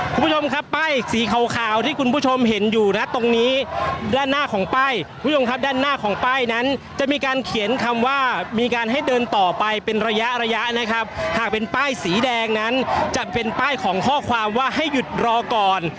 คุณผู้ชมครับป้ายสีขาวขาวที่คุณผู้ชมเห็นอยู่นะตรงนี้ด้านหน้าของป้ายคุณผู้ชมครับด้านหน้าของป้ายนั้นจะมีการเขียนคำว่ามีการให้เดินต่อไปเป็นระยะระยะนะครับหากเป็นป้ายสีแดงนั้นจะเป็นป้ายของข้อความว่าให้หยุดรอก่อน